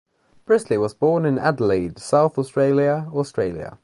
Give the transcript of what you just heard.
Brisley was born in Adelaide, South Australia, Australia.